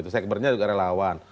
sekbernya juga relawan